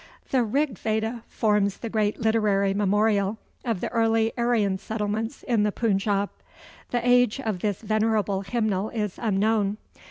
The Rig Veda forms the great literary memorial of the early Aryan settlements in the Punjab. The age of this venerable hymnal is unknown.